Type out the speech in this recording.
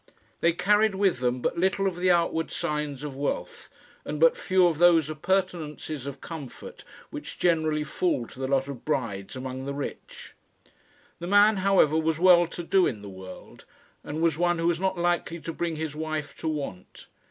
They carried with them but little of the outward signs of wealth, and but few of those appurtenances of comfort which generally fall to the lot of brides among the rich; the man, however, was well to do in the world, and was one who was not likely to bring his wife to want.